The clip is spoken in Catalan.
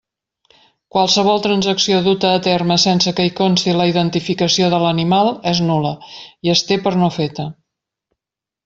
Qualsevol transacció duta a terme sense que hi consti la identificació de l'animal és nul·la i es té per no feta.